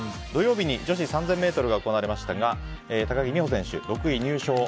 土曜日に女子３０００ｍが行われましたが高木美帆選手、６位入賞。